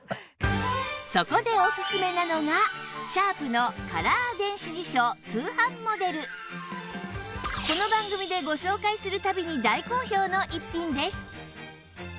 そこでおすすめなのがこの番組でご紹介する度に大好評の逸品です